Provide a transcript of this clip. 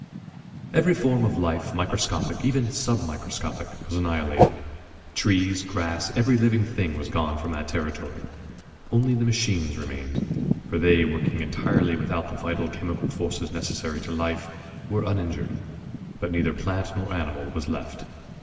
Every form of life, microscopic, even sub microscopic, was annihilated. Trees, grass, every living thing was gone from that territory. Only the machines remained, for they, working entirely without the vital chemical forces necessary to life, were uninjured. But neither plant nor animal was left.